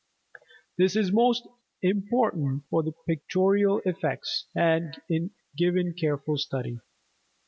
This is most important for the pictorial effects and is given careful study.